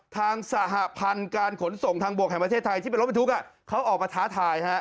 ทางสหพันธ์การขนส่งทางบกแห่งประเทศไทยที่เป็นรถบรรทุกเขาออกมาท้าทาย